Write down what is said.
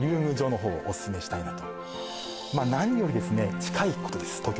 宮城のほうをオススメしたいなとまあ何よりですね近いことです